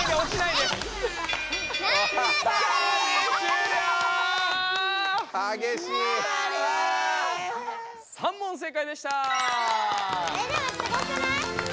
でもすごくない？